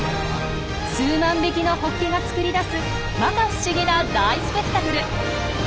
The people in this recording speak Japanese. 数万匹のホッケが作り出すまか不思議な大スペクタクル。